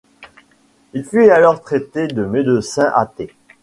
Il fut alors traité de médecin athée.